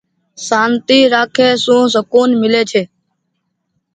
سآنتي رآکي سون سڪون ملي ڇي۔